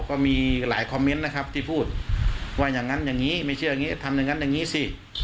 ก็มีหลายคอมเมนต์นะครับที่พูดว่าอย่างนั้นอย่างนี้ไม่เชื่ออย่างนี้ทำอย่างนั้นอย่างนี้สิ